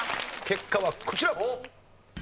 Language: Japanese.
結果はこちら。